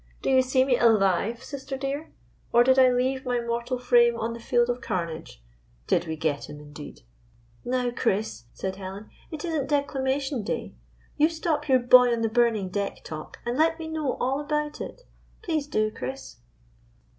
Do you see me alive, sister, dear? Or did I leave my mortal 14— Gypsy. 2 I 7 GYPSY, THE TALKING DOG frame on the field of carnage? Did we get him, indeed ?"" Now, Chris," said Helen, " it is n't declama tion day. You stop your boy on the burning deck talk, and let me know all about it. Please, do, Chris